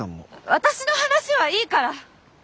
私の話はいいから！